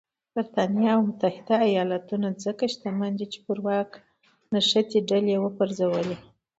برېټانیا او متحده ایالتونه ځکه شتمن دي چې پر واک نښتې ډلې وپرځولې.